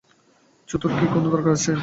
ছুতোর কি কোনো দরকার আছে?